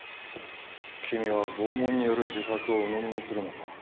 君は拷問による自白をうのみにするのか？